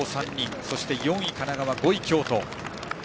そして４位、神奈川、５位、京都。